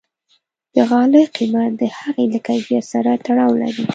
د غالۍ قیمت د هغې له کیفیت سره تړاو لري.